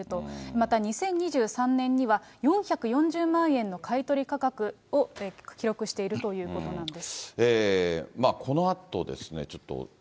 また２０２３年には、４４０万円の買い取り価格を記録しているということなんです。